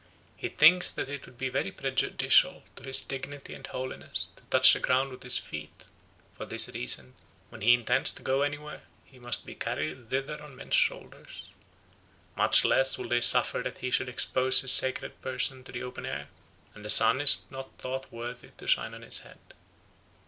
He thinks that it would be very prejudicial to his dignity and holiness to touch the ground with his feet; for this reason, when he intends to go anywhere, he must be carried thither on men's shoulders. Much less will they suffer that he should expose his sacred person to the open air, and the sun is not thought worthy to shine on his head.